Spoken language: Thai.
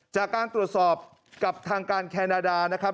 จากการตรวจสอบกับทางการแคนาดานะครับ